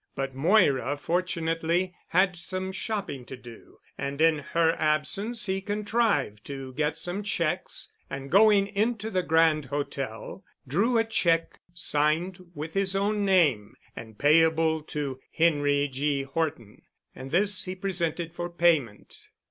But Moira fortunately had some shopping to do and in her absence he contrived to get some checks, and going into the Grand Hotel drew a check signed with his own name, and payable to Henry G. Horton, and this he presented for payment.